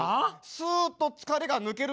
スーッと疲れが抜けるんです。